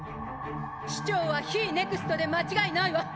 市長は非ＮＥＸＴで間違いないわ！